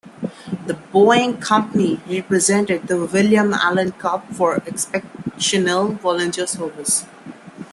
The Boeing Company presented the William Allen Cup for Exceptional Volunteer Service.